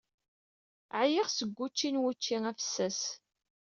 Ɛyiɣ seg wucci n wucci afessas.